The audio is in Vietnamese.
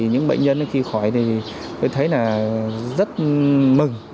những bệnh nhân khi khỏi tôi thấy rất mừng